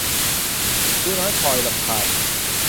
รู้น้อยพลอยรำคาญ